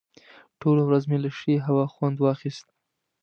ټوله ورځ مې له ښې هوا خوند واخیست.